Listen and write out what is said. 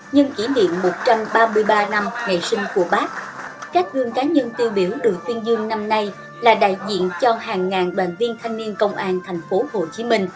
những tấm gương cá nhân tiêu biểu được tuyên dương lần này đại diện cho hàng ngàn đoàn viên thanh niên công an tp hcm